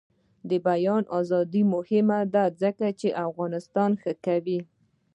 د بیان ازادي مهمه ده ځکه چې افغانستان ښه کوي.